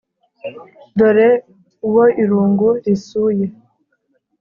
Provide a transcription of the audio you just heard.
Dore uwo irungu risuye